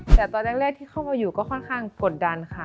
แต่ตอนแรกที่เข้ามาอยู่ก็ค่อนข้างกดดันค่ะ